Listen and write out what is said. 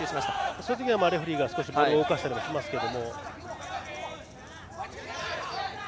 そういうときはレフェリーがボールを動かしたりしますけど。